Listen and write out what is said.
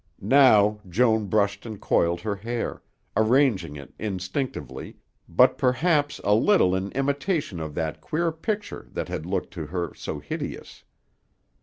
Now, Joan brushed and coiled her hair, arranging it instinctively, but perhaps a little in imitation of that queer picture that had looked to her so hideous.